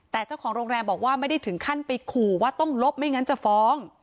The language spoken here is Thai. แต่เจ้าของโรงแรมบอกว่าไม่ได้ถึงขั้นไปขู่ว่าต้องลบไม่งั้นจะฟ้อง